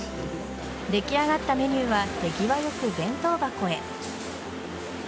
出来上がったメニューは手際よく弁当箱へ。